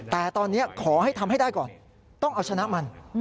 แต่ตอนนี้ขอให้ทำให้ได้ก่อนต้องเอาชนะมัน